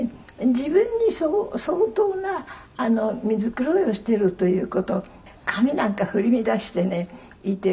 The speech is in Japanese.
自分に相当な身づくろいをしてるという事」「髪なんか振り乱していて」